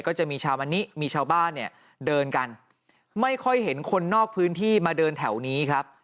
ก็จะมีชาวมะนิมีชาวบ้านเนี่ยเดินกันไม่ค่อยเห็นคนนอกพื้นที่มาเดินแถวนี้ครับ